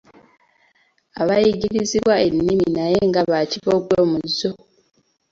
Abayigirizibbwa ennimi naye nga bakibogwe mu zo.